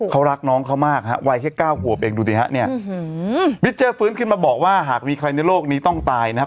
เขารักน้องเขามากฮะวัยแค่๙ขวบเองดูสิฮะเนี่ยมิเจอร์ฟื้นขึ้นมาบอกว่าหากมีใครในโลกนี้ต้องตายนะฮะ